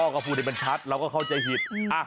ก็พูดให้มันชัดเราก็เข้าใจผิด